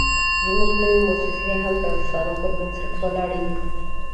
زموږ نوې موسسې هم د افسانو پر بنسټ ولاړې دي.